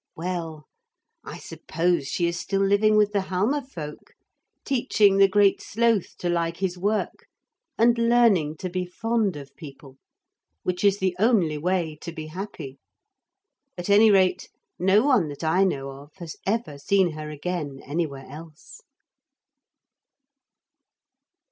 Well, I suppose she is still living with the Halma folk, teaching the Great Sloth to like his work and learning to be fond of people which is the only way to be happy. At any rate no one that I know of has ever seen her again anywhere else.